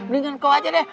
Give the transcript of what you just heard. dengan kau aja deh